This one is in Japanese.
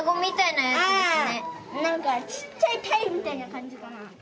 なんか、ちっちゃいタイみたいな感じ。